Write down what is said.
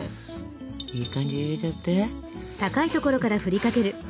いい感じに入れちゃって。